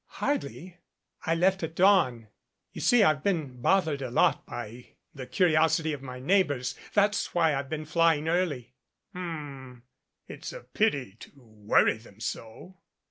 "Hardly. I left at dawn. You see I've been bothered a lot by the curiosity of my neighbors. That's why I've been flying early." "H m. It's a pity to worry them so."